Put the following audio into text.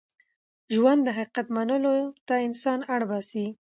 ژوند د حقیقت منلو ته انسان اړ باسي.